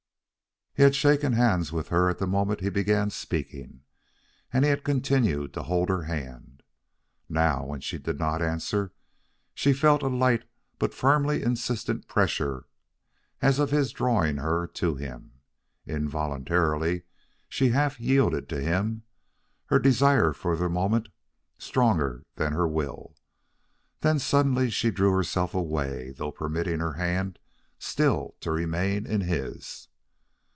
He had shaken hands with her at the moment he began speaking, and he had continued to hold her hand. Now, when she did not answer, she felt a light but firmly insistent pressure as of his drawing her to him. Involuntarily, she half yielded to him, her desire for the moment stronger than her will. Then suddenly she drew herself away, though permitting her hand still to remain in his.